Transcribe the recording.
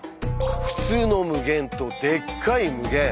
「ふつうの無限」と「でっかい無限」